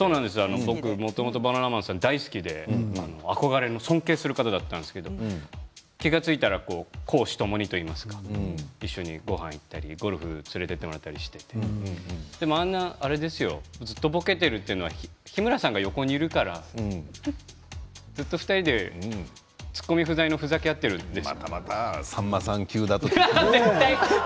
僕もともとバナナマン大好き、で憧れの尊敬する方だったんですけれども気が付いたら公私ともにといいますかごはんに行ったりゴルフ連れて行ってもらったりあれですよ、ずっとぼけているというのは日村さんが横にいるから２人で突っ込み不在でふざけ合っているんです。